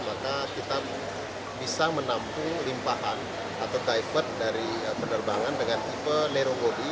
maka kita bisa menampung limpahan atau divert dari penerbangan dengan tipe narrogodi